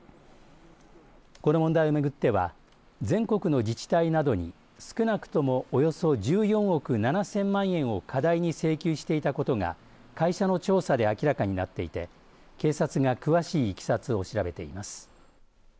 この問題を巡っては全国の自治体などに少なくともおよそ１４億７０００万円を過大に請求していたことが会社の調査で明らかになっていて警察が詳しいいきさつを調べています。